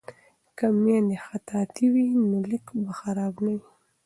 که میندې خطاطې وي نو لیک به خراب نه وي.